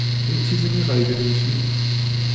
هیچ چیزی میخواهی بنوشی؟